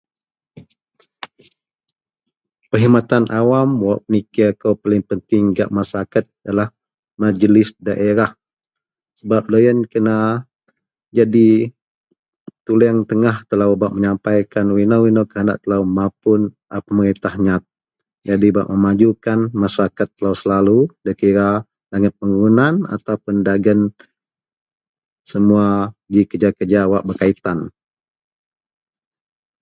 Perkhidmatan Awam wak penikir kou paling penting gak masarakat ialah majlis daerah. Sebab loyen kena jadi tuleng tengah telo bak menyampaikan wak ino-ino penadak telo mapun a pemerintah nyat, jadi bak memajukan masarakat telo selalu da kira dagen pembangunan ataupun dagen semua ji kerja wak berkaitan.